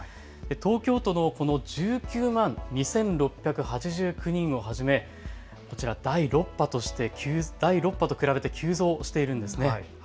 東京都のこの１９万２６８９人をはじめ、第６波と比べて急増しているんですね。